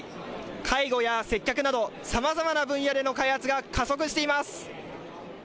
介護や接客など、さまざまな分野での開発が加速しています。